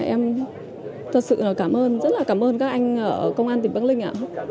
em thật sự cảm ơn rất là cảm ơn các anh ở công an tỉnh bắc ninh